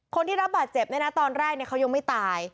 คนที่รับบาดเจ็บเนี่ยนะตอนแรกเขายังไม่ตาย